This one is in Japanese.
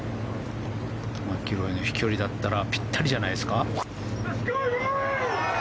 マキロイの飛距離だったらぴったりじゃないですか？